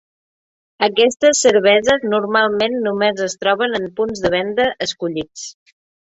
Aquestes cerveses normalment només es troben en punts de venda escollits.